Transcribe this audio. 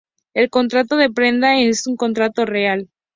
El contrato de prenda es un contrato real.